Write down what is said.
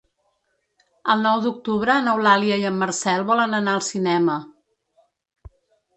El nou d'octubre n'Eulàlia i en Marcel volen anar al cinema.